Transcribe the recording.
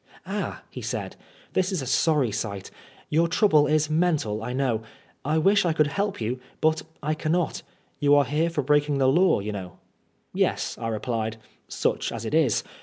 "Ah," he said, "this is a sorry sight. Your trouble is mental I know. I wish I could help you, but I cannot. You are here for breaking the law, you know."^ "Yes," I replied, "such as it is.